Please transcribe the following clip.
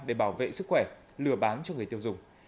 để bảo vệ sức khỏe lừa bán cho người tiêu dùng